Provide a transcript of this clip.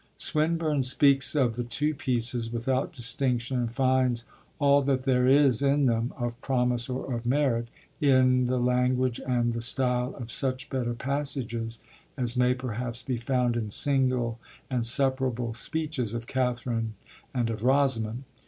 Swinburne speaks of the two pieces without distinction, and finds all that there is in them of promise or of merit 'in the language and the style of such better passages as may perhaps be found in single and separable speeches of Catherine and of Rosamond.'